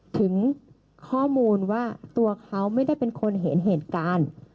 ถึงข้อมูลว่าตัวเขาไม่ได้เป็นคนเห็นเหตุการณ์